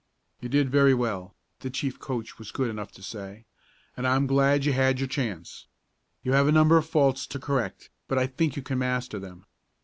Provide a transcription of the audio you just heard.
"You did very well," the chief coach was good enough to say, "and I'm glad you had your chance. You have a number of faults to correct, but I think you can master them.